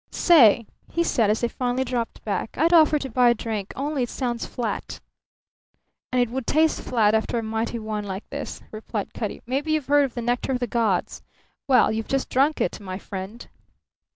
"Say," he said as they finally dropped back, "I'd offer to buy a drink, only it sounds flat." "And it would taste flat after a mighty wine like this," replied Cutty. "Maybe you've heard of the nectar of the gods. Well, you've just drunk it, my friend."